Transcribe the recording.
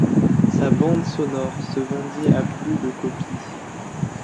Sa bande sonore se vendit à plus de copies.